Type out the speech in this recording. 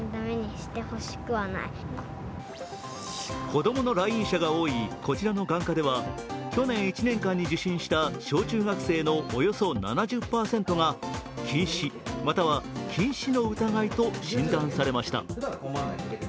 子供の来院者が多いこちらの眼科では、去年１年間に受診した小中学生のおよそ７０％が近視または近視の疑いと診断されました。